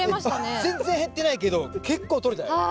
全然減ってないけど結構とれたよ！